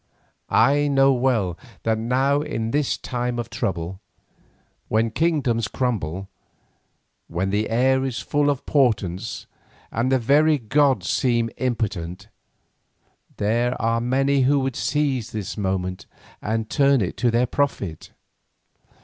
I know well that now in this time of trouble, when kingdoms crumble, when the air is full of portents, and the very gods seem impotent, there are many who would seize the moment and turn it to their profit.